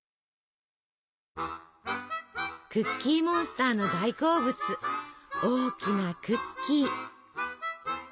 クッキーモンスターの大好物大きなクッキー。